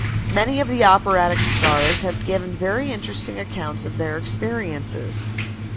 Many of the operatic stars have given very interesting accounts of their experiences.